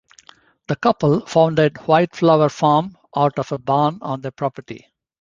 The couple founded White Flower Farm out of a barn on their property.